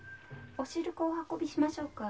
お汁粉をお運びしましょうか？